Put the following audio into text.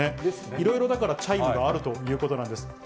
いろいろだから、チャイムがあるということなんです。